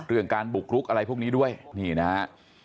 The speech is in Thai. เรื่องการบุกรุกอะไรพวกนี้ด้วยนี่นะฮะ